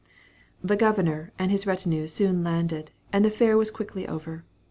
The Governor and retinue soon landed, and the fair was quickly over.